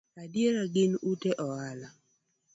Adiera, gin ute ohala